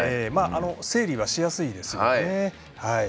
整理はしやすいですよね。